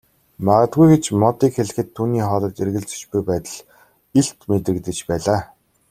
Магадгүй гэж Модыг хэлэхэд түүний хоолойд эргэлзэж буй байдал илт мэдрэгдэж байлаа.